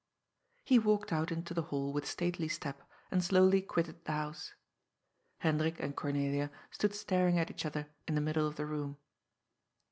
He walked out into the hall with stately step, and slowly quitted the house. Hendrik and Cornelia stood staring at each other in the middle of the room.